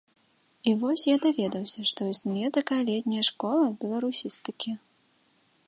І вось я даведаўся, што існуе такая летняя школа беларусістыкі.